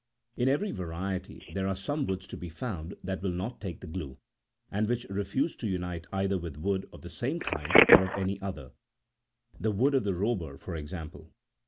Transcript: In every variety there are some woods to be found that will not take the glue, and which re fuse to unite either with wood of the same kind or of any other; the wood of the robur for example.